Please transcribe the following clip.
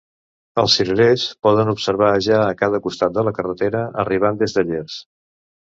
Els cirerers poden observar ja a cada costat de la carretera, arribant des de Llers.